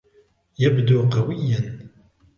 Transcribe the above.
يبدو قوياً.